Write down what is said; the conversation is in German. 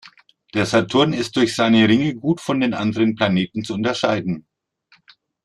Der Saturn ist durch seine Ringe gut von den anderen Planeten zu unterscheiden.